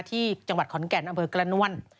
ที่จังหวัดขอนแก่นอำเภอกระนวล